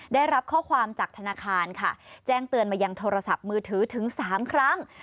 ได้รับข้อความจากธนาคารค่ะแจ้งเตือนมายังโทรศัพท์มือถือถึง๓ครั้ง